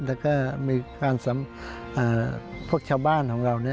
และก็มีการสำพวกชาวบ้านของเรานี้